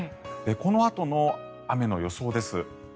このあとの雨の予想です。